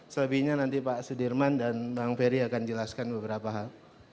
selebihnya nanti pak sudirman dan bang ferry akan jelaskan beberapa hal